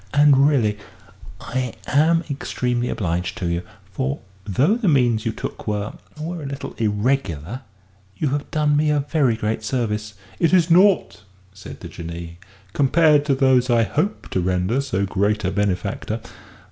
And really, I am extremely obliged to you. For, though the means you took were were a little irregular, you have done me a very great service." "It is naught," said the Jinnee, "compared to those I hope to render so great a benefactor."